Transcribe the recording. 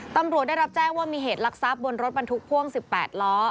ตำรวจได้รับแจ้งว่ามีเหตุลักษัพบนรถบรรทุกพ่วง๑๘ล้อ